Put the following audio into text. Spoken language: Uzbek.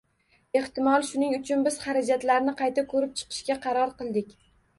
Ehtimol shuning uchun biz xarajatlarni qayta ko'rib chiqishga qaror qildik